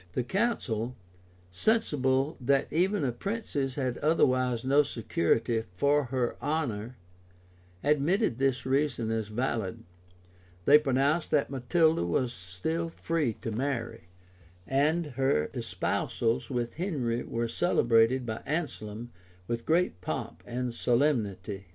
The council, sensible that even a princess had otherwise no security for her honor, admitted this reason as valid: they pronounced that Matilda was still free to marry;[] and her espousals with Henry were celebrated by Anselm with great pomp and solemnity.